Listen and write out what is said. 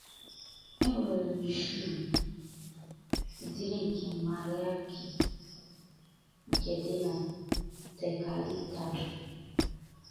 There is a museum of this mariachi in Tecalitlan.